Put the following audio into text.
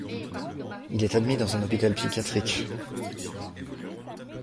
Il est admis dans un hôpital psychiatrique.